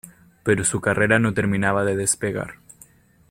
Pero su carrera no terminaba de despegar.